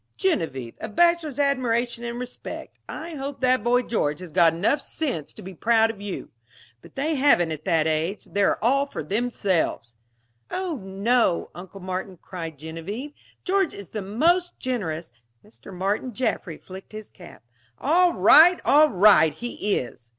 Genevieve, a bachelor's admiration and respect! I hope that boy George has got sense enough to be proud of you. But they haven't at that age. They're all for themselves." "Oh no, Uncle Martin," cried Genevieve, "George is the most generous " Mr. Martin Jaffry flicked his cap. "All right. All right! He is."